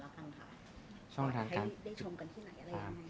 ล่ะค่ะช่องทางการ